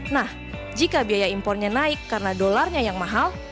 nah jika biaya impornya naik karena dolarnya yang mahal